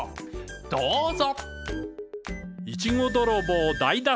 どうぞ！